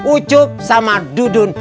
ucup sama dudun